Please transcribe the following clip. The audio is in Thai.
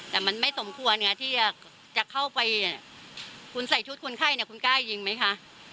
แต่มันไม่สมควรไงที่จะเข้าไปคุณใส่ชุดคนไข้เนี่ยคุณกล้ายิงไหมคะ